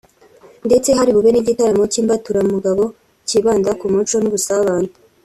ndetse hari bube n’igitaramo cy’imbaturamugabo cyibanda ku muco n’ubusabane